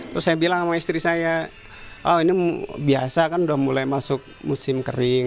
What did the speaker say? terus saya bilang sama istri saya oh ini biasa kan udah mulai masuk musim kering